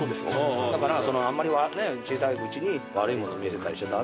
だからあんまり小さいうちに悪いもの見せたりしちゃ駄目よ。